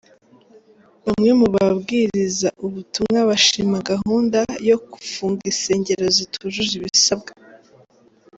Bamwe mu bawiriza butumwa bashima gahunda yo gufunga insengero zitujuje ibisabwa.